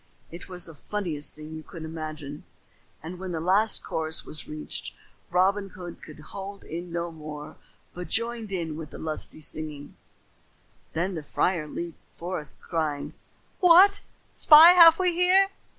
It was the funniest thing you can imagine, and when the last chorus was reached Robin Hood could hold in no more but joined in with the singing lustily. Then the friar leaped forth, crying, "What spy have we here?"